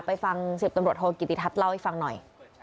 ไปฟัง๑๐ตำรวจโทกิติทัศน์เล่าให้ฟังหน่อย